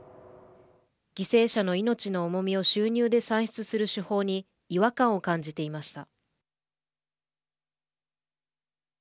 犠牲者の命の重みを収入で算出する手法に違和感を感じていました。